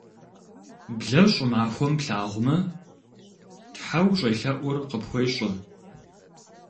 Блэ щӏымахуэм плъагъумэ, тхьэ ущӏелъэӏур къыпхуещӏэ.